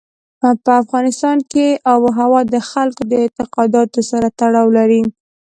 په افغانستان کې آب وهوا د خلکو د اعتقاداتو سره تړاو لري.